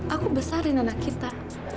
aku besarin anak kita